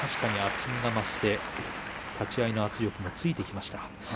確かに厚みが増して立ち合いの圧力もついていきました。